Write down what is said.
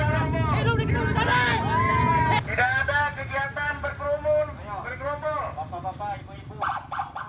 tidak ada kegiatan berkerumun berkerumun